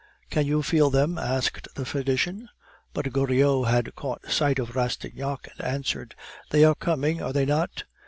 "Can you feel them?" asked the physician. But Goriot had caught sight of Rastignac, and answered, "They are coming, are they not?"